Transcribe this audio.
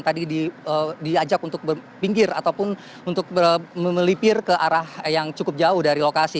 tadi diajak untuk berpinggir ataupun untuk melipir ke arah yang cukup jauh dari lokasi